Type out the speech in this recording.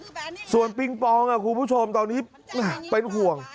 ขอบคุณมากส่วนปิงปองอ่ะคุณผู้ชมตอนนี้อ่าเป็นห่วง